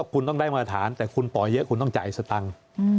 คุณต้องได้มาตรฐานแต่คุณปล่อยเยอะคุณต้องจ่ายสตังค์